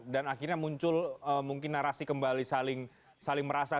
dan akhirnya muncul mungkin narasi kembali saling merasa